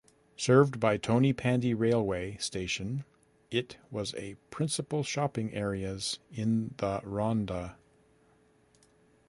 Served by Tonypandy railway station, it was a principal shopping areas in the Rhondda.